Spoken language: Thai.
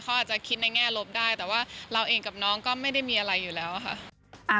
เขาอาจจะคิดในแง่ลบได้แต่ว่าเราเองกับน้องก็ไม่ได้มีอะไรอยู่แล้วค่ะ